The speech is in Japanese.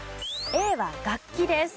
Ａは楽器です。